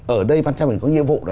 ở đây bàn chấp hành có nhiệm vụ